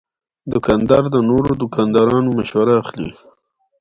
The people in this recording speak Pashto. دوکاندار د نورو دوکاندارانو مشوره اخلي.